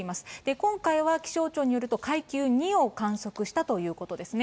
今回は気象庁によると、階級２を観測したということですね。